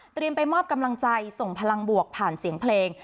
ไปมอบกำลังใจส่งพลังบวกผ่านเสียงเพลง